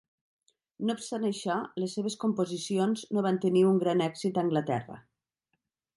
No obstant això, les seves composicions no van tenir un gran èxit a Anglaterra.